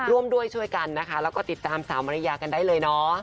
ร่วมด้วยช่วยกันนะคะแล้วก็ติดตามสาวมาริยากันได้เลยเนาะ